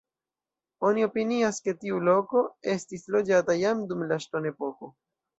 Oni opinias, ke tiu loko estis loĝata jam dum la ŝtonepoko.